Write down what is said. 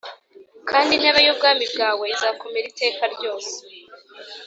kandi intebe y’ubwami bwawe izakomera iteka ryose.